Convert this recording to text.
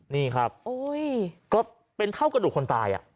นี่ครับก็เป็นเท่ากระดูกคนตาย